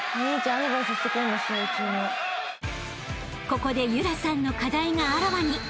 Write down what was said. ［ここで夢空さんの課題があらわに］